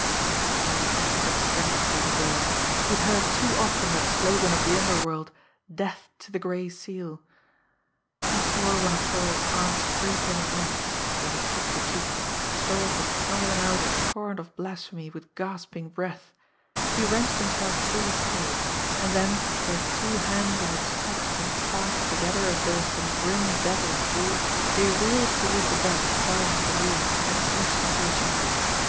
It brought a desperate strength to Jimmie Dale. He had heard too often that slogan of the underworld death to the Gray Seal! He tore one of Thorold's arms free from his neck they were cheek to cheek Thorold was snarling out a torrent of blasphemy with gasping breath he wrenched himself free still and then, their two hands outstretched and clasped together as though in some grim devil's waltz, they reeled toward the bed at the far end of the room, and smashed into a chair.